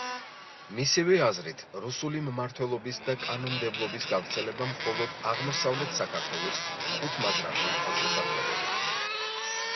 მისივე აზრით, რუსული მმართველობის და კანონმდებლობის გავრცელება მხოლოდ აღმოსავლეთ საქართველოს ხუთ მაზრაში იყო შესაძლებელი.